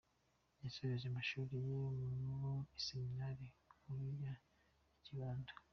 Yasoreje amashuri ye mu Iseminari Nkuru ya Nyakibanda.